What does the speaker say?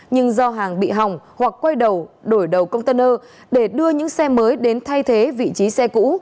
nhưng do hàng bị hỏng hoặc quay đầu đổi đầu container để đưa những xe mới đến thay thế vị trí xe cũ